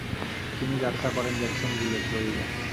তিনি যাত্রা করেন জ্যাকসনভিলে, ফ্লোরিডা।